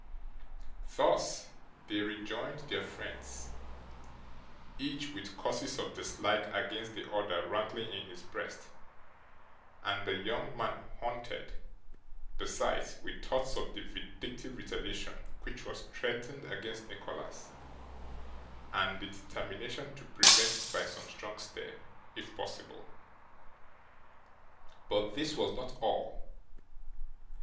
Thus they rejoined their friends: each with causes of dislike against the other rankling in his breast: and the young man haunted, besides, with thoughts of the vindictive retaliation which was threatened against Nicholas, and the determination to prevent it by some strong step, if possible. But this was not all.